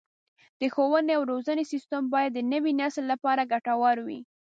د ښوونې او روزنې سیستم باید د نوي نسل لپاره ګټور وي.